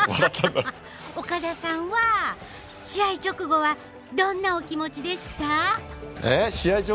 岡田さんは試合直後はどんなお気持ちでした？